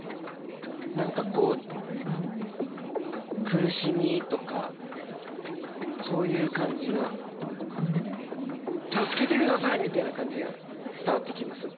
何かこう苦しみとかそういう感じが「助けてください」みたいな感じが伝わってきます。